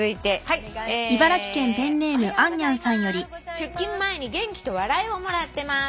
「出勤前に元気と笑いをもらってます」